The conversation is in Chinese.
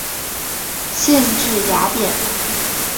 县治雅典。